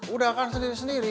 udah kan sendiri sendiri